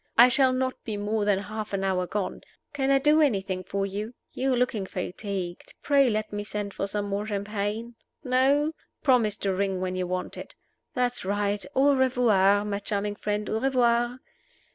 I shall not be more than half an hour gone. Can I do anything for you? You are looking fatigued. Pray let me send for some more champagne. No? Promise to ring when you want it. That's right! Au revoir, my charming friend _au revoir!